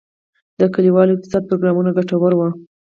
د کلیوالي اقتصاد پروګرامونه ګټور وو؟